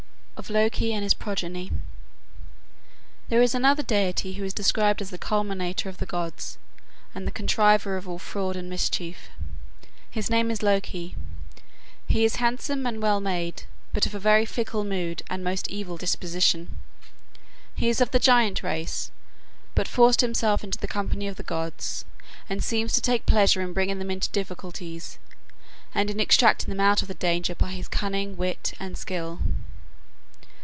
OF LOKI AND HIS PROGENY There is another deity who is described as the calumniator of the gods and the contriver of all fraud and mischief. His name is Loki. He is handsome and well made, but of a very fickle mood and most evil disposition. He is of the giant race, but forced himself into the company of the gods, and seems to take pleasure in bringing them into difficulties, and in extricating them out of the danger by his cunning, wit, and skill.